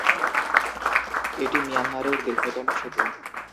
এটি মিয়ানমারের দীর্ঘতম সেতু।